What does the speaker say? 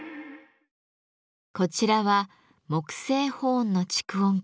こちらは木製ホーンの蓄音機。